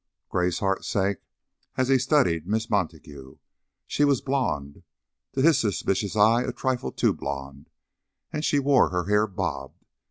Gray's heart sank as he studied Miss Montague. She was blond to his suspicious eye a trifle too blond and she wore her hair bobbed.